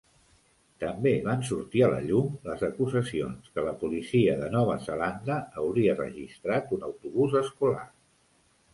També van sortir a la llum les acusacions que la policia de Nova Zelanda hauria registrat un autobús escolar.